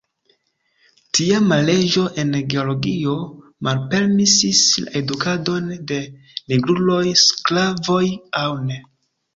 Tiama leĝo en Georgio malpermesis la edukadon de nigruloj, sklavoj aŭ ne.